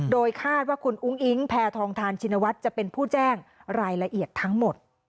โดยคาดว่าคุณอุ้งอิ๊งแพทองทานชินวัฒน์จะเป็นผู้แจ้งรายละเอียดทั้งหมด